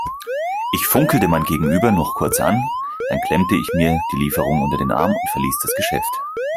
Ich funkelte mein Gegenüber noch kurz an, dann klemmte ich mir die Lieferung unter den Arm und verließ das Geschäft.